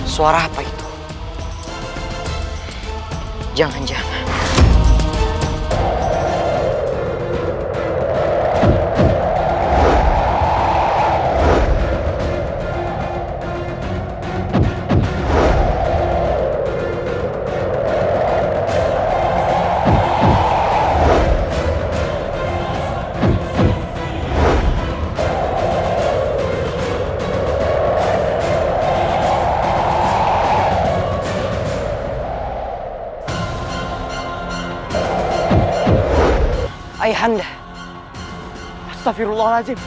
sampai jumpa lagi